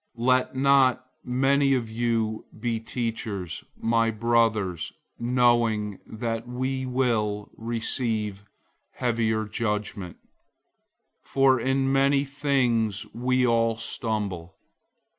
003:001 Let not many of you be teachers, my brothers, knowing that we will receive heavier judgment. 003:002 For in many things we all stumble.